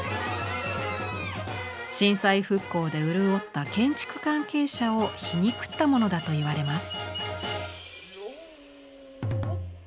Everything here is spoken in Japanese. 震災復興で潤った建築関係者を皮肉ったものだといわれます。